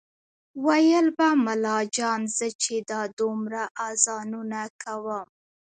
ویل به ملا جان زه چې دا دومره اذانونه کوم